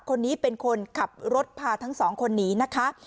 คนนี้เป็นคนขับรถพาทั้งสองคนหนีนะคะ